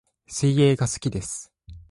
水泳が好きです